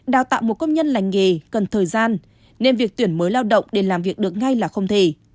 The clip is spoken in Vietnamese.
đào tạo một công nhân lành nghề cần thời gian nên việc tuyển mới lao động để làm việc được ngay là không thể